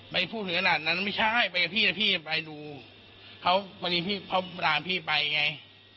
ไม่พูดถึงขนาดนั้นไม่ใช่ไปกับพี่แล้วพี่ไปดูเขามาร่างพี่ไปไง